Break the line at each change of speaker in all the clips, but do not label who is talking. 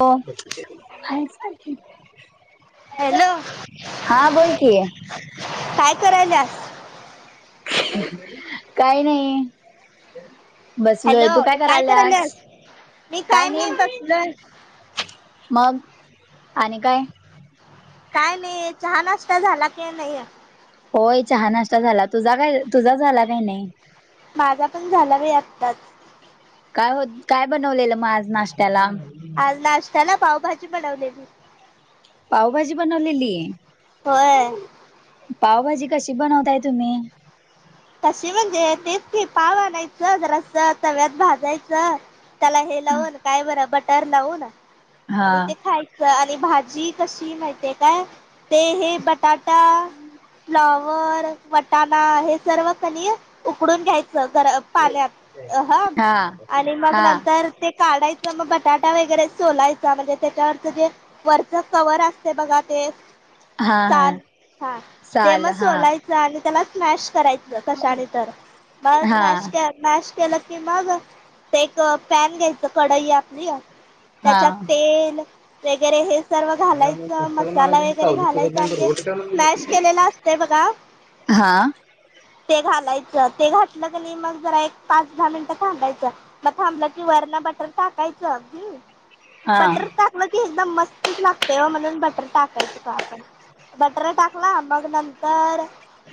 हो.
Hello, hello.
हा बोल की
काय कराल्यास.
काही नाही. बसलोय
हॅलो
तू काय करालायास
करायल्यास मी
काय
नाही
नाहि
बसलोय
मग आणि काय
काय नाही चहा नाश्ता झाला की नाही
होय चहा नाष्ट्ता झाला तुझा काय तुझा झाला काय नाही?
माझा पण झाला बाई आत्ताच
काय हो काय बनवलेलं मग आज नाश्त्याला
आज नाश्त्याला पावभाजी बनवलेली
पावभाजी बनलेली
होय
पावभाजी कशी बनवताय तुम्ही?
तशी म्हणजे तेच की पाव आणायचं जरास तव्यात भाजायचं त्याला हे लावून ना काय बरं बटर लावून
हा
आणि ते खाय आणि भाजी कशी माहितीय काय ते हे बटाटा फ्लॉवर वटाणा हे सर्व कनी उकडून घ्यायचं गर पाल्यात ह
हा
आणि मग
हा
नंतर ते काढायच मग बटाटा वगैरे सोलायचा म्हणजे त्याच्यावरच जे वरच कवर असते बघा ते
हा
साल
हा
ह ते
चाल
मग
हा
सोलाय च आणि त्याला स्मॅश करायचं कशाने तर मघ
हा
स्मॅश मॅश केलं की मग ते एक पॅन घ्यायचं कढई आपली
हा
त्याच्यात तेल वगैरे हे सर्व घालायचं मसाला वगैरे घालायचा आणि तेे स्मॅश केलेला असते बघा
हा
ते घालायचं ते घातलं गरी मग जरा एक पाच दहा मिनटं घालायचं मग थांबल की वरन बटर टाकायचं ह
हा
बटर टा मग ती एकदम मस्तच लागतेय म्हणून बटर टाकायचं का आपण बटर टाकला मग नंतर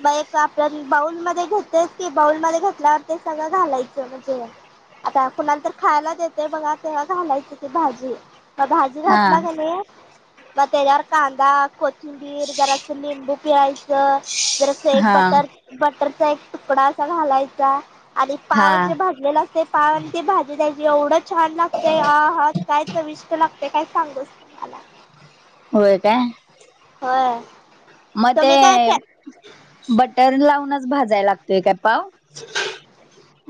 म एक तरी बाऊल मध्ये घेते की बाऊल मध्ये घेतल्यावर ते सगळं घालायचं म्हणजे आता कुणाला तर खायला देते बघा तेव्हा घालायची ती भाजी म भाजी घातला
हा
का नाही मग त्याच्यावर कांदा कोथिंबीर जरास लिंबू पिळायचं जर असं एक
हा
बट बटरचा एक तुकडा असा घालायचा आणि
हा
पाव जे भाजलेला असतेत पाव ती भाजी द्यायची एवढं छान लागतय अ हा काय चविष्ट लागतेय काय सांगूच आला
हो काय
होय
मग ते
तुम्ही काय खे
बटर लावूनच भाजायला लागतय काय पाव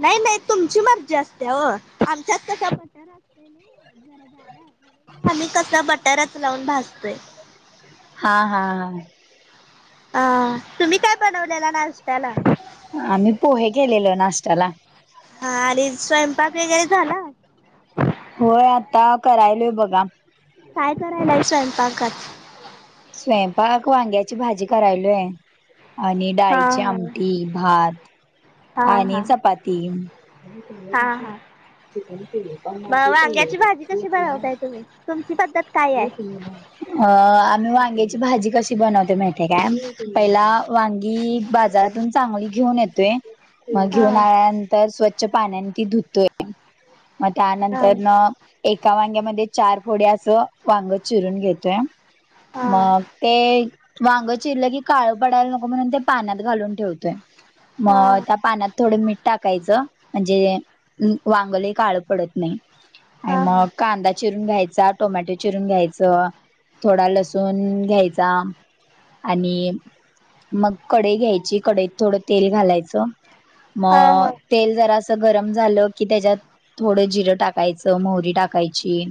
नाही, नाही तुमची मर्जी असते हो आमच्याच कसा बटर असतय नाही आम्ही कसा बटरच लावून भाजतोय
हा, हा, हा
अ तुम्ही काय बनवलेला नाश्त्याला
आम्ही पोहे केेलेलो नाशत्याला
ह आणि स्वयंपाक वगैरे झाला
होय आता करायलय बघा
काय करायला आहे स्वयंपाकात?
स्वयंपाक वांग्याची भाजी करायलोय आणि
हा
डाळीची
हा
आमटी भात
हा
आणि
हा
चपाती त
हा हा
केले
म
काक
वांग्याची भाजी
त
कशी
क.
बनवताय तुम्ही? तुमची पद्धत काय आहे?
अ आम्ही वांग्याची भाजी कशी बनवते माहतेे काय पहिला वांगी बाजारातून चांगली घेऊन येतोय
[inaudible]
मग घेऊन आल्यानंतर स्वच्छ पाण्याने ती धुतोय. मग
हा
त्यानंतर न एका वांग्यामध्ये चार. थोडी असं वांग चिरून घेतोय.
हा
मग ते वांग चिरलं की, काळ पडायला नको म्हणून, ते पाण्यात घालून ठेवतोय.
हा
मग त्या पानात थोडं मीठ टाकायचं, म्हणजे वांग लै काळ पडत नाही. आणि
हा हा
मग कांदा. चिरून घ्यायचा, टोमॅटो चिरून घ्यायचं थोडा लसूण घ्यायचा. आणि मग कडई घ्यायची, कडईत थोड तेल. घालायचं
हा
मग.
हा
तेल जरास गरम झालं की, त्यांच्यात थोडं जिरं टाकायचं मोहरी टाकायची.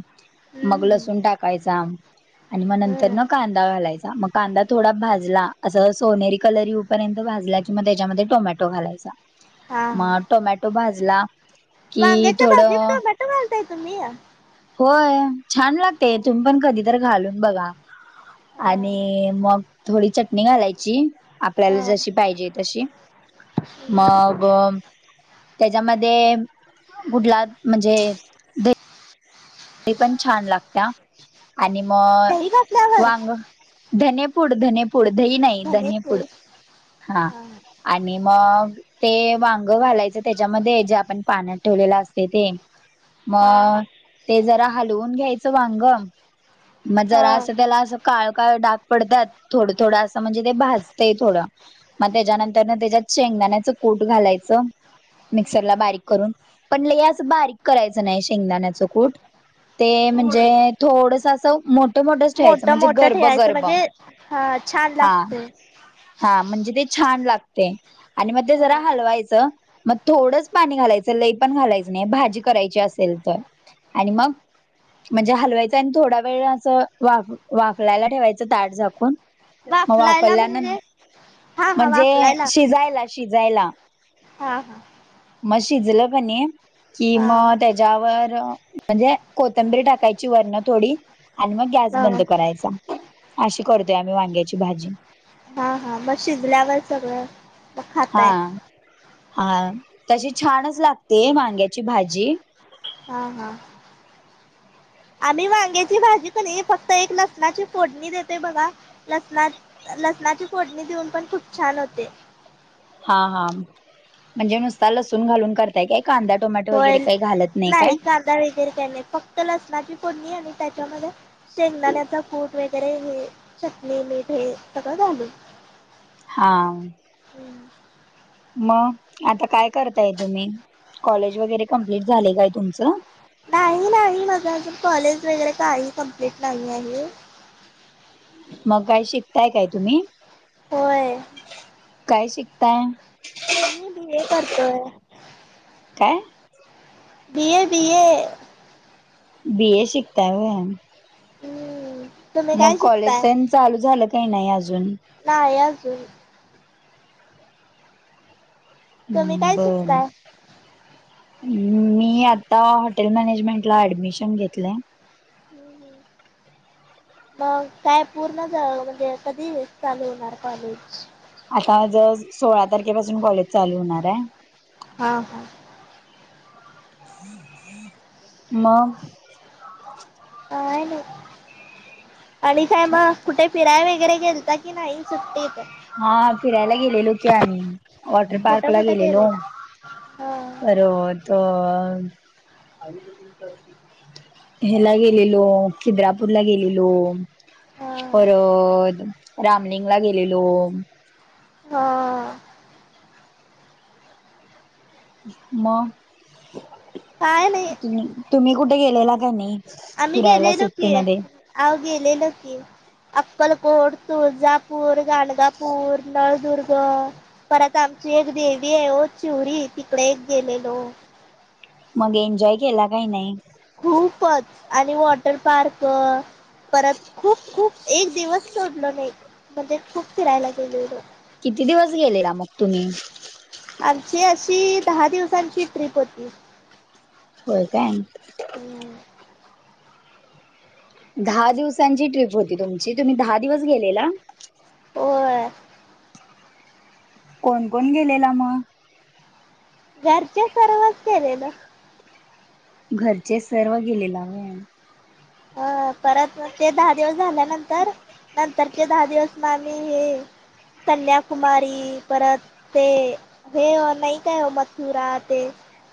मग
हम्म हम्म
लसून टाकायचा. आणि मग नंतर
हम्म
न कांदा घालायचा, मग कांदा थोडा भाजला असं सोनेरी कलर येवू पर्यंत भाजला कि मग तेच्यामध्ये टोमॅटो घालायचा,
हा हा
मग टोमॅटो भाजला. कि
वांग्याच्या
थोडं.
[unintelligible] तुम्ही.
होय, छान लागतेय तुम्ही पण कधी तर घालून बघा.
हा
आणि मग थोडी चटणी घालायची. आपल्याला
हा
जशी पाहिजे तशी. मग त्यांच्यामध्ये बुडला म्हणजे, ही पण छान लागत्या, आणि मग
दही घातल्यावर
वांग. धनेपुड धनेपूड दही नाही
धने
धनेपूड
पूड
हा. आणि मग. ते वांग घालायचं तेच्यामध्ये जे, आपण पाण्यात ठेवलेलं असते ते.
हा हा
मग ते जरा हलवून घ्यायचं वांग. मग जरा
हा
असं त्याला असं काळ काळ डाग पडत्यात. थोडं थोडं असं म्हणजे, ते भाजतंय थोडं. मग तेच्यानंतरन तेच्यात शेंगदाण्याच कूट घालायचं. मिक्सर ला बारीक करून, पण लै असं बारीक करायचं नाही शेंगदाण्याच. कुट ते म्हणजे थोडंसं अस मोठ. तो मोठाच ठेवायच
मोठ
म्हणजे
मोठ
गर्भ
ठेवायचं
गर्भ
म्हणजे हा छान
हा.
लागतय.
हा म्हणजे ते छान लागते, आणि मग ते जरा हलवायचं. मग थोडंच पाणी घालायचं, लई पण घालायचं नाही भाजी करायची असेल तर. आणि मग. म्हणजे हलवायचं आणि थोडा वेळ असं, वाफ वाफलायला ठेवायचं ताट झाकून. मग
वाफलायला
वाफल्या नंत
[inaudible]
म्हणजे
वाफलायला
शिजायला शिजायला.
हा हा
मग शिजलं कणी, की
हा
मग त्या ज्यावर म्हणजे कोथिंबिर टाकायची वर थोडी. आणि मग गॅस
हा
बंद करायचा, अशी करतोय आम्ही वांग्याची भाजी.
हा हा, मग शिजल्यावर सगळं. मग
हा
खाताय
हा, तशी छानच लागते वांग्याची भाजी.
हां हा.. आम्ही वांग्याची भाजी कणी, फक्त एक लसणाची फोडणी देतोय बघा. लसणात लसणाची फोडणी देऊन, पण खूप छान होते.
हा हा, म्हणजे नुसता लसूण घालून करताय काय. कांदा टोमॅटो वगैरे काही घालत नाही काय.
वगैर के नाही फक्त लसणाची फोडणी आणि त्याच्यामध्ये. शेंगदाण्याचा कूट वगैरे हे चटणी मीठ हे सगळं घालून.
हा.
हम्म.
मग आता काय करताय तुम्ही कॉलेज वगैरे कंप्लीट झालयं काय तुमचं?
नाही नाही माझं अजून कॉलेज वगैरे काही कंप्लीट नाही आहे.
मग काय शिकताय काय तुम्ही?
होय.
काय शिकताय?
मी बीए करतोय.
काय?
BA BA.
बी ए शिकताय वय?
हम्म. तुम्ही
मग
काय
कॉलेज
शिकताय?
तेन चालू झालं काय नाही अजून.
नाही अजून. तुम्ही
हम्म
काय
बर.
शिकताय?
अ मी आता हॉटेल मॅनेजमेंटला ऍडमिशन घेतलंय.
हम्म. मग काय पूर्ण ज म्हणजे कधी चालू होणार कॉलेज.
आता ज सोळा तारखेपासून कॉलेज चालू होणारयं.
हा हा.
मग.
काय नाही आणि काय मग कुठे फिराय वगैरे गेलता कि नाही सुट्टी इक
हा फिरायला गेलेलो कि आम्ही वॉटर
कुठं
पार्कला
कुठं
गेलेलो.
गेलेला? हा
परत अ ह्यला गेलेलो खिद्रापूरला गेलेलो.
हा
परत रामलिंगला गेलेलो.
हा.
मग
काय नाही
तुम्ही तुम्ही कुठे गेलेला का नाही?
आम्ही
फिरायला
गेलेलो की
सुट्टीमध्ये.
आव गेलेलो की अक्कलकोट तुळजा पूर, गाणगापूर, नळदुर्ग. अ परत आमची एक देवी आहे ओ चिवरी तिकडं एक गेलेलो.
मग एन्जॉय केला काय नाही.
खूपच आणि वॉटर पार्क परत खूप खूप एक दिवस सोडलो नाही म्हणजे खूप फिरायला गेलेलो.
किती दिवस गेलेला मग तुम्ही?
आमची अशी दहा दिवसांची ट्रिप होती.
होय काय. दहा दिवसांची ट्रिप होती तुमची तुम्ही दहा दिवस गेलेला?
होय.
कोण कोण गेलेला मग?
घरचे सर्वच गेलेलो.
घरचे सर्व गेलेला वय.
अ परत ते दहा दिवस झाल्यानंतर नंतरचे दहा दिवस मग आम्ही हे कन्याकुमारी परत ते हे अ नाही काय ओ मथुरा ते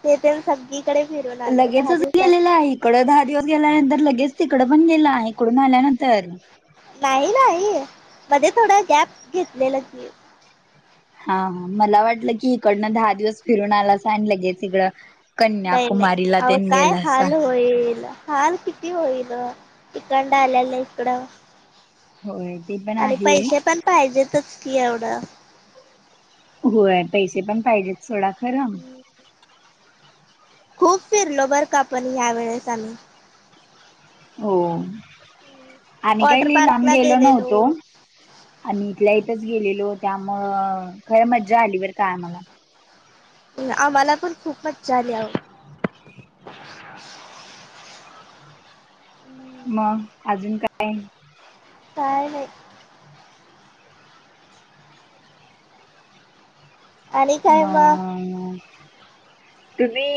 ते तेन सगी कडे फिरून आलो दहा
लगेचच गेलेला
दिवसांची
आहे इकडं दहा दिवस गेल्यानंतर लगेच तिकड पण गेला इकडून आल्यानंतर
नाही, नाही मध्ये थोडा गॅप घेतलेला की
हा, हा मला वाटलं की इकडनं दहा दिवस फिरून आला लगेच इकडं
नाही नाही
कन्याकुमारीला
आवो
तेन
काय
गेलासा.
हाल होईल हाल कि ती होईल इकंड आल्याला इकडं
होय ते पण
आणि
आहे
पैसे पण पाहिजेतच की एवढं
होय पैसे पण पाहिजेत सोडा खरं
[inaudible] खूप फिरलो बरं का पण ह्या वेळेस आम्ही
हो आम्ही काही
वॉटर
लई लाम
पार्कला
गेलो नव्हतो
गेलेलो
आम्ही इथल्या इथच गेलेलो त्यामुळ खरं मज्जा आली बर का आम्हाला
आम्हाला पण खूप मज्जा आली आओ
मग अजून काय?
काय नाही आणि
ब
काय
ना.
मग
तुम्ही,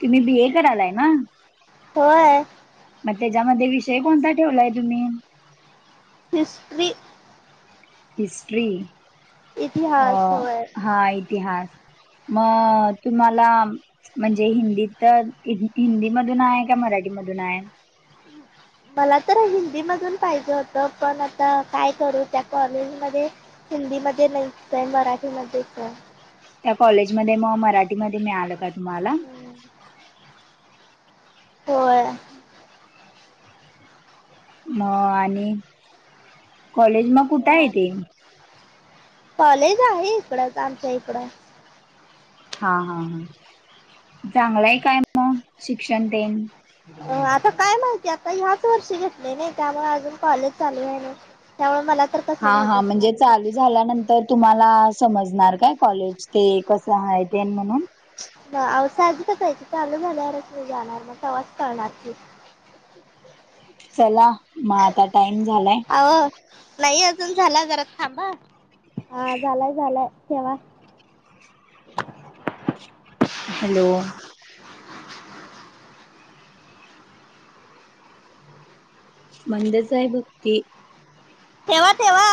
तुम्ही बी ए करायलाय ना
होय
मग त्याच्यामध्ये विषय कोणता ठेवलाय तुम्ही?
हिस्टरी
हिस्ट्री
इतिहास
हां
होय.
इतिहास मग तुम्हाला म्हणजे हिंदी तर हिंदीमधून आहे का मराठीमधून आहे?
मला तर हिंदी मधून पाहिजे होतं पण आता काय करू त्या कॉलेजमध्ये हिंदीमध्ये नाहीच आहे मराठीमध्येच आहे
त्या कॉलेजमध्ये मग मराठीमध्ये मिळालं का तुम्हाला
हम् होय
मग आणि कॉलेज मग कुठं आहे
ह
ते
कॉलेज आहे इकडच आमच्या इकड
हा, हा, हा चांगलाय काय मग शिक्षण तेन
अ आता काय माहितीय आता ह्याच वर्षी घेतले नाही त्यामुळे अजून कॉलेज चालू व्हाय नाय त्यामुळे मला तर क
हा, हा म्हणजे चालू झाल्यानंतर तुम्हाला समजणार काय कॉलेज ते क च आहे तेन म्हणून
आओ साहजिकच चालू झाल्याच मी जाणार मग आवाज कळणार की
चला म आता टाइम झालाय
अहो नाही अजून झाला जरा थांबा ह झालाय, झालाय ठेवा
हॅलो मंद च आहे भक्ती
ठेवा, ठेवा